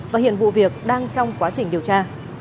và hiện vụ việc đang trong quá trình điều tra